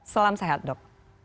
salam sehat dok